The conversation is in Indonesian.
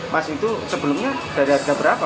mas itu sebelumnya dari harga berapa